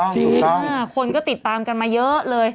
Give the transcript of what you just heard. จริงคนก็ติดตามกันมาเยอะเลย